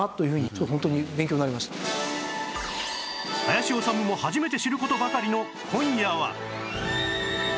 林修も初めて知る事ばかりの今夜は